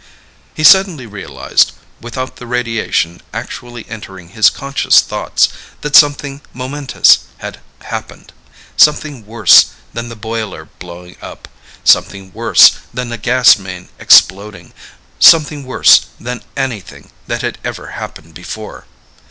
He suddenly realized, without the realization actually entering his conscious thoughts, that something momentous had happened, something worse than the boiler blowing up, something worse than a gas main exploding, something worse than anything that had ever happened before.